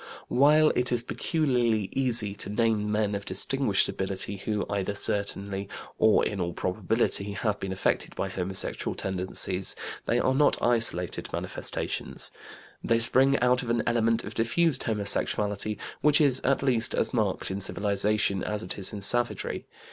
While it is peculiarly easy to name men of distinguished ability who, either certainly or in all probability, have been affected by homosexual tendencies, they are not isolated manifestations. They spring out of an element of diffused homosexuality which is at least as marked in civilization as it is in savagery.